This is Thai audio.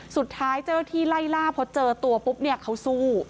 สุดท้ายเจ้าหน้าที่ไล่ล่าพอเจอตัวปุ๊บเนี่ยเขาสู้